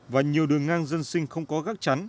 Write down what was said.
và nhiều đường ngang dân sinh không có gác chắn